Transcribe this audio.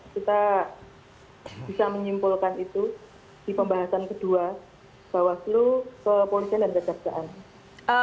kita bisa menyimpulkan itu di pembahasan kedua bawaslu kepolisian dan kejaksaan